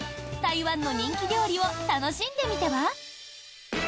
台湾の人気料理を楽しんでみては？